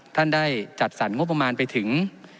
ท่านได้จัดสรรงบประมาณไปถึง